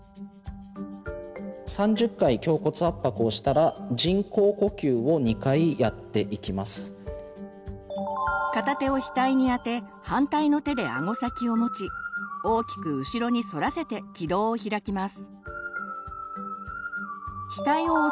３０回胸骨圧迫をしたら片手を額にあて反対の手であご先を持ち大きく後ろに反らせて気道を開きます。